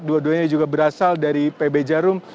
dua duanya juga berasal dari pb jarum